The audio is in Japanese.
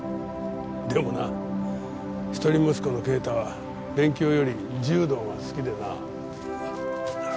でもな一人息子の啓太は勉強より柔道が好きでな。